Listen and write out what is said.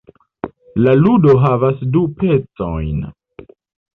La ludo havas du pecojn.